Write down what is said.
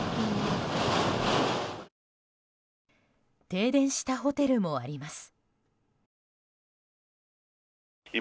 停電したホテルもあります。